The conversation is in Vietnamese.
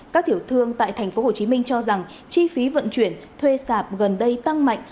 các tiểu thương tại tp hcm cho rằng chi phí vận chuyển thuê sạp gần đây tăng mạnh